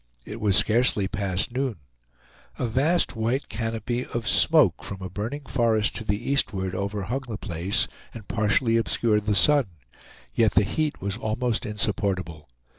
It was scarcely past noon; a vast white canopy of smoke from a burning forest to the eastward overhung the place, and partially obscured the sun; yet the heat was almost insupportable.